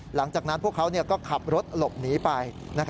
หลังจากนั้นพวกเขาก็ขับรถหลบหนีไป